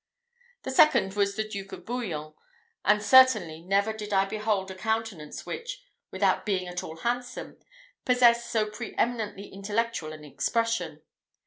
The second was the Duke of Bouillon; and certainly never did I behold a countenance which, without being at all handsome, possessed so pre eminently intellectual an expression.